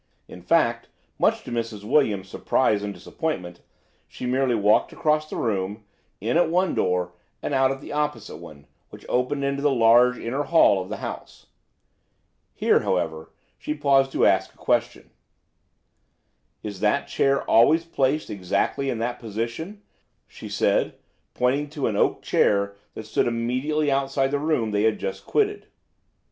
In fact, much to Mrs. Williams's surprise and disappointment, she merely walked across the room, in at one door and out at the opposite one, which opened into the large inner hall of the house. Here, however, she paused to ask a question: "Is that chair always placed exactly in that position?" she said, pointing to an oak chair that stood immediately outside the room they had just quitted.